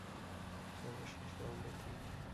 সর্বশেষ রাউন্ড এটি।